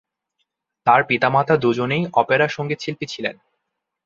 তার পিতামাতা দুজনেই অপেরা সঙ্গীতশিল্পী ছিলেন।